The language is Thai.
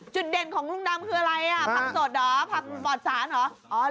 จุดเด่นของลุงดำคืออะไรอ่ะพรรพสดหรอพรรพปอดสารหรอ